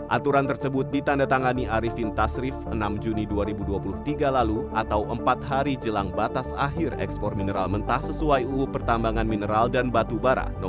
aturan tersebut ditandatangani arifin tasrif enam juni dua ribu dua puluh tiga lalu atau empat hari jelang batas akhir ekspor mineral mentah sesuai uu pertambangan mineral dan batu bara